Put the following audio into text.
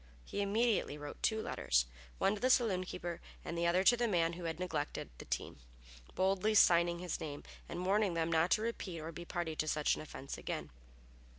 He immediately wrote two letters, one to the saloon keeper and the other to the man who had neglected the team, boldly signing his name and warning them not to repeat or be party to such an offence again.